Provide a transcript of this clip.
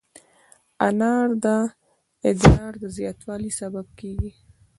انار د ادرار د زیاتوالي سبب کېږي.